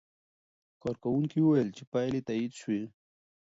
کارکوونکي وویل چې پایلې تایید شوې.